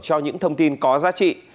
cho những thông tin có giá trị